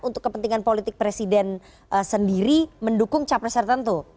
untuk kepentingan politik presiden sendiri mendukung capreser tentu